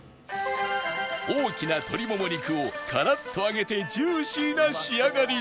大きな鶏もも肉をカラッと揚げてジューシーな仕上がりに